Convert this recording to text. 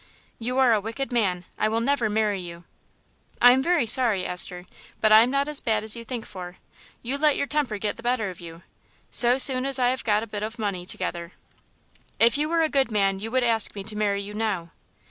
"You are a wicked man; I will never marry you." "I am very sorry, Esther. But I am not as bad as you think for. You let your temper get the better of you. So soon as I have got a bit of money together " "If you were a good man you would ask me to marry you now."